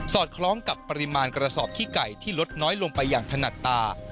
อดคล้องกับปริมาณกระสอบขี้ไก่ที่ลดน้อยลงไปอย่างถนัดตา